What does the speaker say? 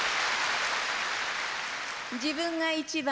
自分が一番。